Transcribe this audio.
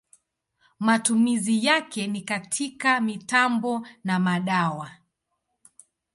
Matumizi yake ni katika mitambo na madawa.